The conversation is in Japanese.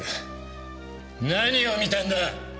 何を見たんだ？